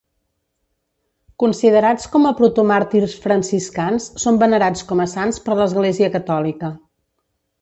Considerats com a protomàrtirs franciscans, són venerats com a sants per l'Església catòlica.